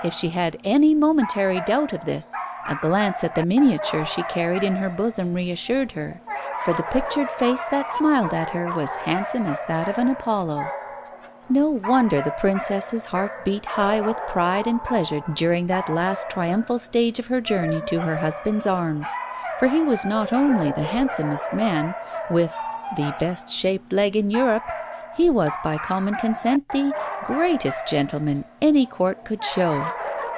If she had any momentary doubt of this, a glance at the miniature she carried in her bosom reassured her; for the pictured face that smiled at her was handsome as that of an Apollo. No wonder the Princess's heart beat high with pride and pleasure during that last triumphal stage of her journey to her husband's arms; for he was not only the handsomest man, with "the best shaped leg in Europe," he was by common consent the "greatest gentleman" any Court could show.